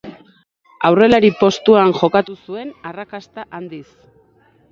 Aurrelari postuan jokatu zuen arrakasta handiz.